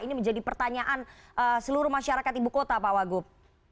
ini menjadi pertanyaan seluruh masyarakat ibu kota pak wagub